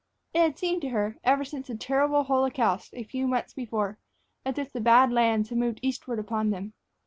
It had seemed to her, ever since the terrible holocaust of a few months before, as if the Bad Lands had moved eastward upon them.